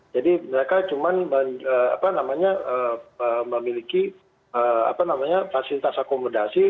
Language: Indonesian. jadi mereka cuma memiliki fasilitas akomodasi